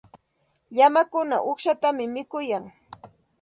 Llamakuna uqshatam mikuyan.